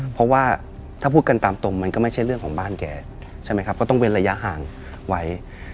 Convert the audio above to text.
เพราะว่าถ้าพูดกันตามตรงมันก็ไม่ใช่เรื่องของบ้านแกใช่ไหมครับก็ต้องเว้นระยะห่างไว้